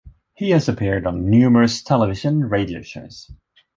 He has appeared on numerous television and radio shows.